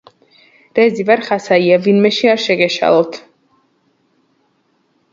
რეზი ვარ ხასაია ვინმეში არ შეგეშალოთ